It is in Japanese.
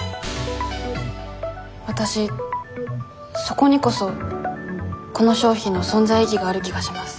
わたしそこにこそこの商品の存在意義がある気がします。